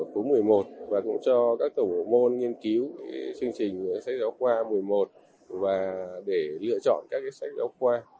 khối một mươi một và cũng cho các tổng hợp môn nghiên cứu chương trình sách giáo khoa một mươi một và để lựa chọn các sách giáo khoa